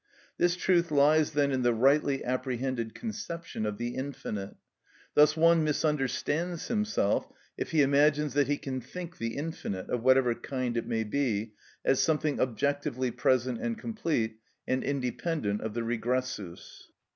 This truth lies then in the rightly apprehended conception of the infinite. Thus one misunderstands himself if he imagines that he can think the infinite, of whatever kind it may be, as something objectively present and complete, and independent of the regressus.